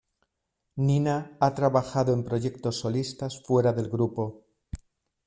Nina ha trabajado en proyectos solistas, fuera del grupo.